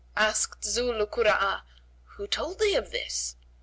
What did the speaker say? Asked Zu 'l Kura'a, "Who told thee of this?"